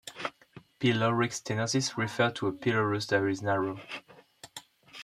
Pyloric stenosis refers to a pylorus that is narrow.